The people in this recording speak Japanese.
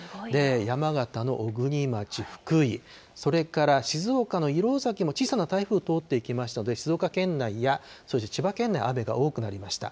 山形の小国町、福井、それから静岡の石廊崎も小さな台風通っていきましたので、静岡県内や、そして千葉県内、雨が多くなりました。